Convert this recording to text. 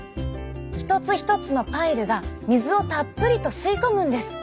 一つ一つのパイルが水をたっぷりと吸い込むんです。